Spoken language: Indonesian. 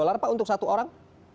berapa untuk satu orang